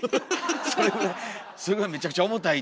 それぐらいめちゃくちゃ重たい。